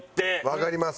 わかります！